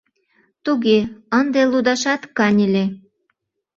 — Туге, ынде лудашат каньыле.